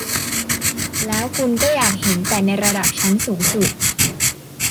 แล้วคุณก็อยากเห็นแต่ในระดับชั้นสูงสุด